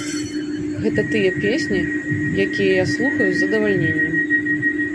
Гэта тыя песні, якія я слухаю з задавальненнем.